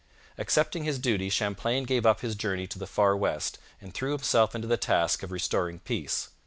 Accepting his duty, Champlain gave up his journey to the far west and threw himself into the task of restoring peace.